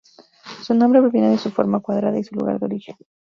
Su nombre proviene de su forma cuadrada y su lugar de origen.